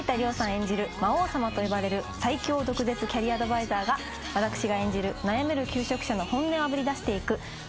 演じる魔王様と呼ばれる最強毒舌キャリアアドバイザーが私が演じる悩める求職者の本音をあぶり出していく転職爽快